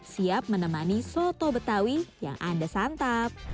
siap menemani soto betawi yang anda santap